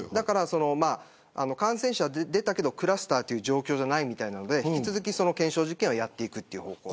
ある程度、感染者が出たけどクラスターという状況じゃないみたいなので引き続き検証実験はやっていく方向。